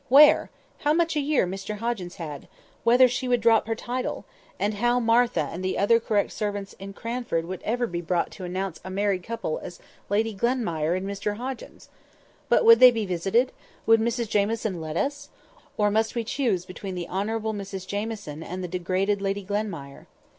Where? How much a year Mr Hoggins had? Whether she would drop her title? And how Martha and the other correct servants in Cranford would ever be brought to announce a married couple as Lady Glenmire and Mr Hoggins? But would they be visited? Would Mrs Jamieson let us? Or must we choose between the Honourable Mrs Jamieson and the degraded Lady Glenmire?